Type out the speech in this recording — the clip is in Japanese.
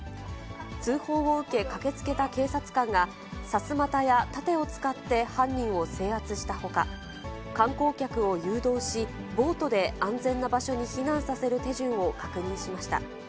通報を受け、駆けつけた警察官が、さすまたや盾を使って犯人を制圧したほか、観光客を誘導し、ボートで安全な場所に避難させる手順を確認しました。